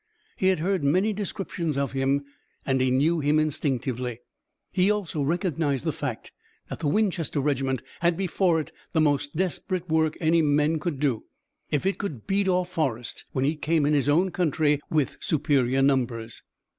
He had heard many descriptions of him and he knew him instinctively. He also recognized the fact that the Winchester regiment had before it the most desperate work any men could do, if it beat off Forrest when he came in his own country with superior numbers.